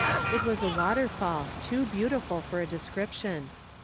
It was a waterfall, too beautiful for description!